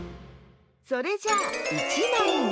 それじゃあ１まいめ。